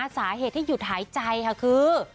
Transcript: สาเหตุที่หยุดหายใจค่ะคือ